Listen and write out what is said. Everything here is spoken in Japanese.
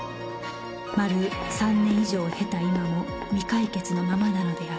丸３年以上を経た今も未解決のままなのである